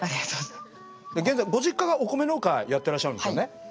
現在ご実家がお米農家やってらっしゃるんですよね。